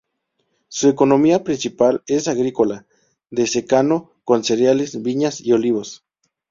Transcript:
Su economía principal es agrícola de secano con cereales, viñas y olivos.